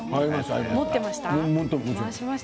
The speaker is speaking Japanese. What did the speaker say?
持っていました。